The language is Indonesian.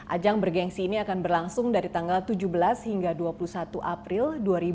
ajang bergensi ini akan berlangsung dari tanggal tujuh belas hingga dua puluh satu april dua ribu dua puluh